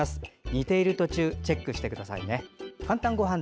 煮ている途中チェックしてくださいね。